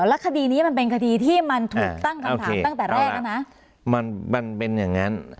แล้วคดีนี้มันเป็นคดีที่มันถูกตั้งคำถามตั้งแต่แรกแล้วนะมันมันเป็นอย่างนั้น